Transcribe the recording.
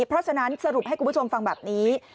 เพราะฉะนั้นสรุปให้คุณผู้ชมฟังแบบนี้